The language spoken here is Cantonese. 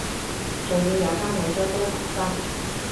總要有返兩張刀傍身